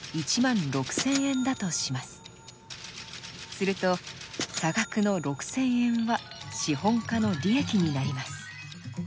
すると差額の６，０００円は資本家の利益になります。